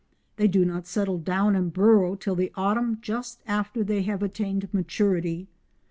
They do not settle down and burrow till the autumn just after they have attained maturity.